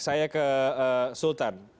saya ke sultan